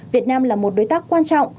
việt nam là một đối tác quan trọng